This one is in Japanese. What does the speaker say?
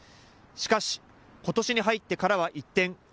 しかし、ことしに入ってからは一転。